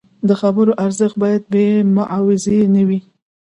د خبرو ارزښت باید بې معاوضې نه وي.